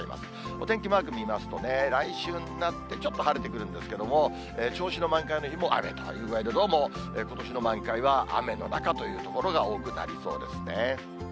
お天気マーク見ますとね、来週になってちょっと晴れてくるんですけれども、銚子の満開の日も雨という具合で、どうもことしの満開は雨の中という所が多くなりそうですね。